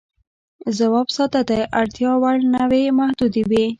ځواب ساده دی، اړتیا وړ نوعې محدودې وې.